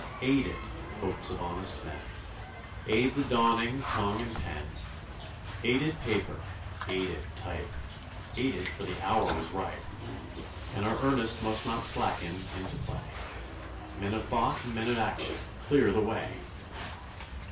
Aid it, hopes of honest men; Aid the dawning, tongue and pen; Aid it, paper, aid it, type, Aid it, for the hour is ripe; And our earnest must not slacken Into play. Men of thought and men of action, Clear the way!